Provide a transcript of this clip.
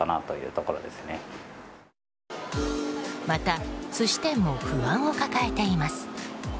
また、寿司店も不安を抱えています。